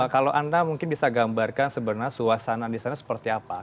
kalau anda mungkin bisa gambarkan sebenarnya suasana di sana seperti apa